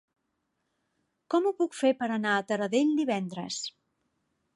Com ho puc fer per anar a Taradell divendres?